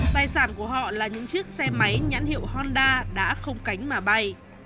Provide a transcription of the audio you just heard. tài sản của họ là những chiếc xe máy nhãn hiệu honda đã không cánh mà bay